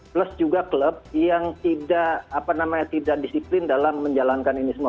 plus juga klub yang tidak apa namanya tidak disiplin dalam menjalankan ini semua